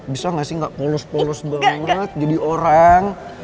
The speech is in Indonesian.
bisa gak sih gak polos polos banget jadi orang